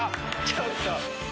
ちょっと。